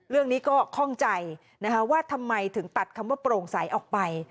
เรื่องนี้ก็คล่องใจนะคะว่าทำไมถึงตัดคำว่าโปร่งใสออกไป